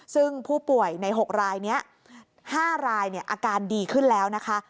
ซึ่งผู้ป่วยใน๖รายนี้๕รายอาการดีขึ้นแล้วนะคะ